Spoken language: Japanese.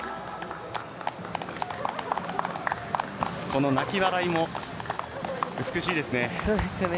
この泣き笑いも美しいですね。